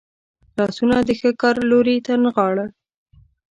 لاسونه د ښه کار لوري ته نغاړل.